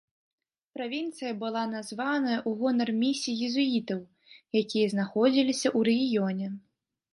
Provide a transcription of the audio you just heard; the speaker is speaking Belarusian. Правінцыя была названая ў гонар місій езуітаў, якія знаходзіліся ў рэгіёне.